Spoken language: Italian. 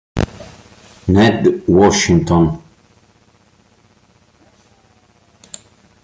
Ned Washington